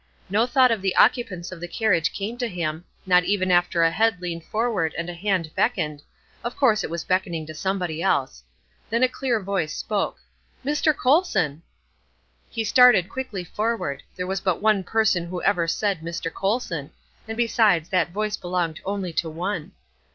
No thought of the occupants of the carriage came to him, not even after a head leaned forward and a hand beckoned; of course it was beckoning to somebody else. Then a clear voice spoke: "Mr. Colson!" He started quickly forward; there was but one person who ever said "Mr. Colson," and besides, that voice belonged only to one.